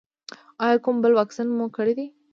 ایا کوم بل واکسین مو کړی دی؟